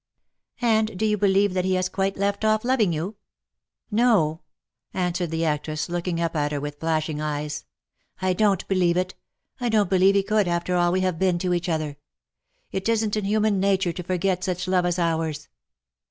" And do you believe that he has quite left off loving you?" " No," answered the actress, looking up at her ^'love is love for evermore." 293 with flashing eyes, ^^ I don^t believe it. I don't believe he could after all we have been to each other. It isn't in human nature to forget such love as ours.''